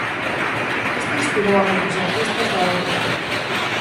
Isto inspirou a moitos artistas da época.